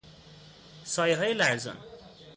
سایههای لرزان